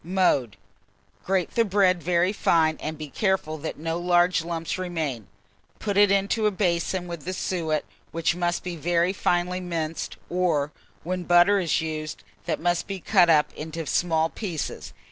Mode. Grate the bread very fine, and be careful that no large lumps remain; put it into a basin with the suet, which must be very finely minced, or, when butter is used, that must be cut up into small pieces.